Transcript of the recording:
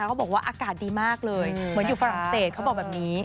เขาบอกว่าอากาศดีมากเลยเหมือนอยู่ฝรั่งเศสเขาบอกแบบนี้